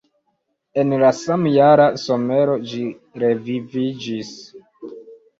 En la samjara somero ĝi reviviĝis.